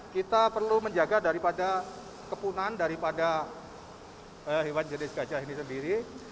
kita perlu menjaga daripada kepunan daripada hewan jenis gajah ini sendiri